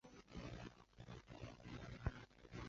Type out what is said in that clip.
官至山西潞安府知府。